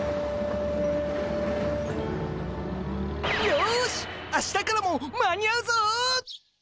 よし明日からも間に合うぞ！